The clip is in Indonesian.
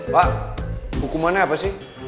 pak hukumannya apa sih